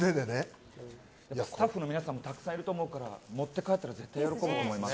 スタッフの皆さんもたくさんいらっしゃると思うから持って帰ったら絶対喜ぶと思います。